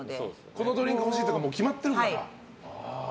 このドリンク欲しいとかもう決まってるんだ。